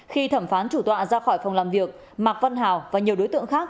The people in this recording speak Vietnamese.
khi thẩm phán chủ tọa ra khỏi phòng làm việc mạc văn hào và nhiều đối tượng khác